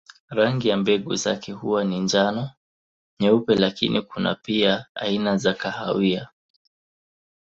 Rangi ya mbegu zake huwa ni njano, nyeupe lakini kuna pia aina za kahawia.